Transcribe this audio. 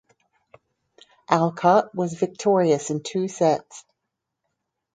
Alcott was victorious in two sets.